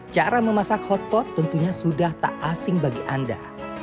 cara memasak hotpot tentunya sudah tak asing bagi anda